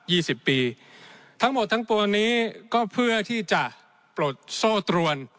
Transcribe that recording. สิบปีทั้งหมดทั้งปวงนี้ก็เพื่อที่จะปลดโซ่ตรวน